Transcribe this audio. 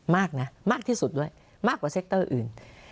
มากนะมากที่สุดด้วยมากกว่าเซ็กเตอร์อื่น